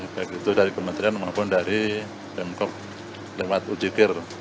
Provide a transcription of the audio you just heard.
baik itu dari kementerian maupun dari pemkop lewat ujikir